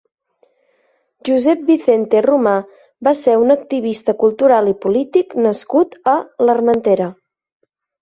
Josep Vicente Romà va ser un activista cultural i polític nascut a l'Armentera.